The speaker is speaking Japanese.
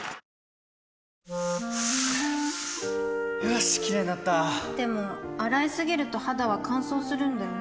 よしキレイになったでも、洗いすぎると肌は乾燥するんだよね